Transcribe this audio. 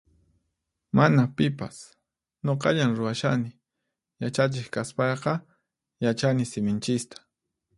Mana pipas. Nuqallan ruwashani. Yachachiq kaspayqa, yachani siminchista.